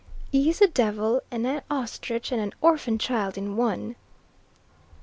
"'E's a devil an' a ostrich an' a orphan child in one."